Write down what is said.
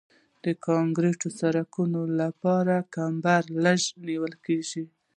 د کانکریټي سرکونو لپاره کمبر لږ نیول کیږي